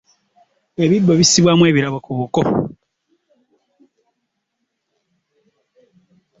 Ebibbo bisibwamu ebirabo ku buko.